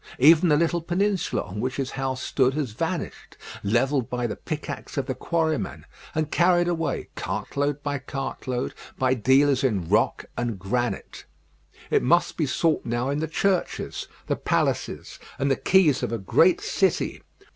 Even the little peninsula on which his house stood has vanished, levelled by the pickaxe of the quarryman, and carried away, cart load by cart load, by dealers in rock and granite. It must be sought now in the churches, the palaces, and the quays of a great city.